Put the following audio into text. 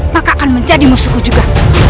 maka akan menjadi musuku juga